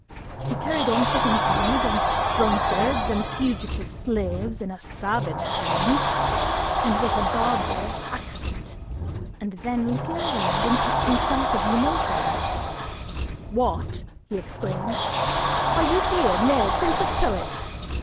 He carried on for some time against drunkards and fugitive slaves, in a savage tone and with a barbarous accent, and then, looking around and catching sight of Eumolpus, "What," he exclaimed, "are you here, nay prince of poets?